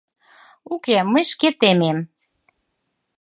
Уке, мый шке темем.